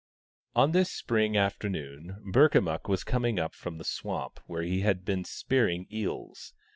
On this spring afternoon Burkamukk was coming up from the swamp where he had been spearing eels.